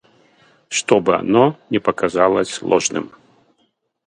чтобы оно не показалось ложным.